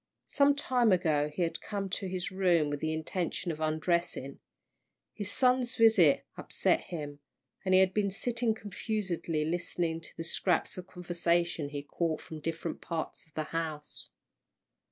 Some time ago he had come to his room with the intention of undressing. His son's visit had upset him, and he had been sitting confusedly listening to the scraps of conversation he caught from different parts of the house.